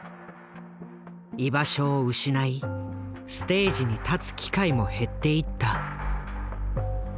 居場所を失いステージに立つ機会も減っていった。